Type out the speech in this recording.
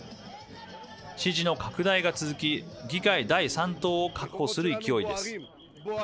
支持の拡大が続き議会第３党を確保する勢いです。